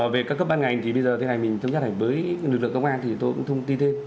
về các cấp ban ngành thì bây giờ thế này mình thông nhắc với lực lượng công an thì tôi cũng thông tin thêm